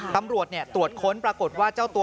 ตำรวจตรวจค้นปรากฏว่าเจ้าตัว